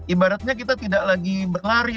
ibaratnya kita tidak lagi berlari